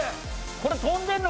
これ飛んでんの？